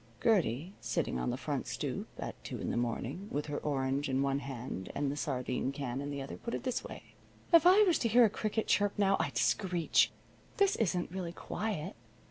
Gertie, sitting on the front stoop at two in the morning, with her orange in one hand and the sardine can in the other, put it this way: "If I was to hear a cricket chirp now, I'd screech. This isn't really quiet.